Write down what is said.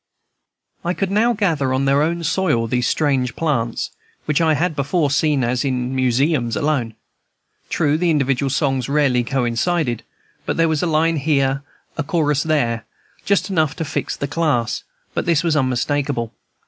I could now gather on their own soil these strange plants, which I had before seen as in museums alone. True, the individual songs rarely coincided; there was a line here, a chorus there, just enough to fix the class, but this was unmistakable.